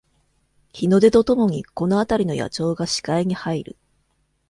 日の出とともにこのあたりの野鳥が視界に入る